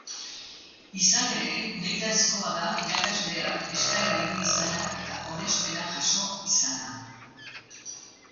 Izan ere, nahitaezkoa da irakasleak eskaera egin izana eta onespena jaso izana.